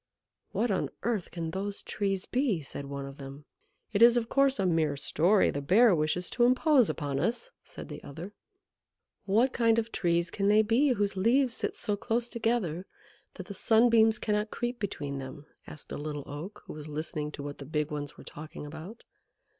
"What on earth can those Trees be?" said one of them. "It is, of course, a mere story; the Bear wishes to impose upon us," said the other. "What kind of Trees can they be whose leaves sit so close together that the sunbeams cannot creep between them?" asked a Little Oak, who was listening to what the big ones were talking about.